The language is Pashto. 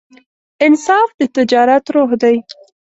انصاف د تجارت روح دی.